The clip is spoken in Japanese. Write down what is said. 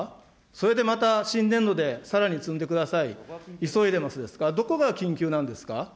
それでまた、新年度でさらに積んでください、急いでますですか、どこが緊急なんですか。